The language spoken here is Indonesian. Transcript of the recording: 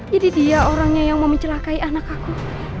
jadi dia orangnya yang mau mencelakai anak aku